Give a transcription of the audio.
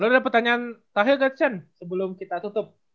lu ada pertanyaan terakhir gak chen sebelum kita tutup